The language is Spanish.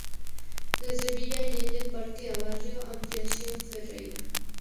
Desde Villa Allende Parque a Barrio Ampliación Ferreyra.